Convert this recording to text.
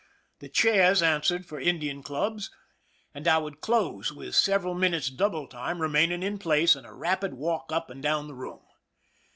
The chairs an swered for Indian clubs, and I would close with several minutes' double time, remaining in place, and a rapid walk up and down the room.